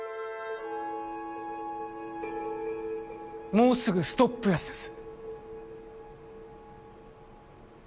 もうすぐストップ安です